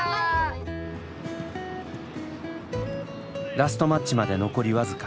ラストマッチまで残り僅か。